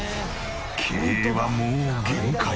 経営はもう限界。